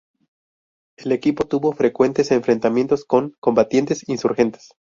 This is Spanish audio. El equipo tuvo frecuentes enfrentamientos con combatientes insurgentes.